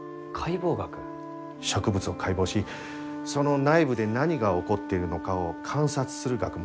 植物を解剖しその内部で何が起こっているのかを観察する学問だ。